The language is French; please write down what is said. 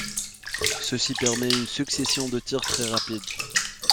Ceci permet une succession de tirs très rapide.